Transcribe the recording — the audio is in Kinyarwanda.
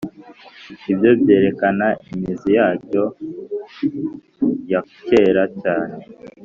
ibyo byerekana imizi yacyo ya kera cyane.